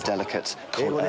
英語で。